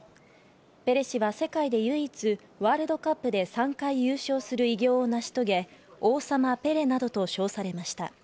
ペレ氏は世界で唯一、ワールドカップで３回優勝する偉業を成し遂げ、王様ペレなどと称されました。